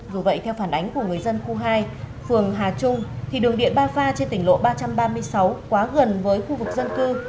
dù vậy theo phản ánh của người dân khu hai phường hà trung thì đường điện ba pha trên tỉnh lộ ba trăm ba mươi sáu quá gần với khu vực dân cư